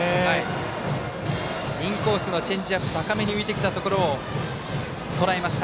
インコースのチェンジアップ高めに浮いてきたところをとらえました。